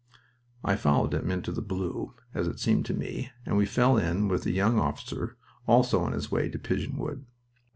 I followed him into the blue, as it seemed to me, and we fell in with a young officer also on his way to Pigeon Wood.